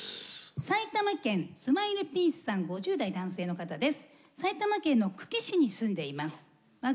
埼玉県スマイルピースさん５０代・男性の方です。